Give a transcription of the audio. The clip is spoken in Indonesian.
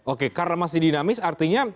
oke karena masih dinamis artinya